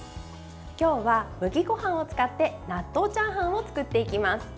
今日は麦ごはんを使って納豆チャーハンを作っていきます。